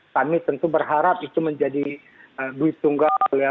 kami tentu berharap itu menjadi duit tunggal ya